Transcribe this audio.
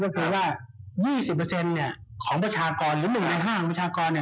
ก็คือว่า๒๐ของประชากรหรือ๑ใน๕ของประชากร